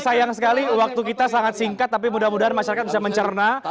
sayang sekali waktu kita sangat singkat tapi mudah mudahan masyarakat bisa mencerna